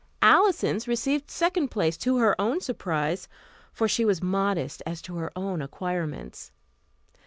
Alison's received second place, to her own surprise, for she was modest as to her own acquirements.